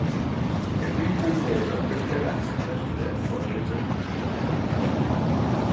Fifteen men were convicted and sentenced to death for treason.